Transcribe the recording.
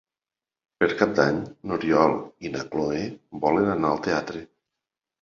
Per Cap d'Any n'Oriol i na Cloè volen anar al teatre.